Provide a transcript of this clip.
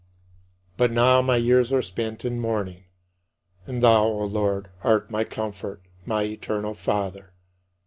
But now my years are spent in mourning. And thou, O Lord, art my comfort, my eternal Father.